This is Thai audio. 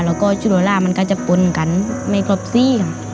แล้วก็ชุดมนุรามันก็จะปุ่นกันไม่กรอบซี่ค่ะ